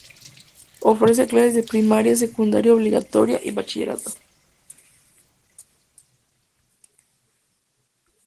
Ofrece clases de primaria, secundaria obligatoria y bachillerato.